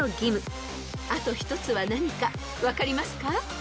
［あと１つは何か分かりますか？］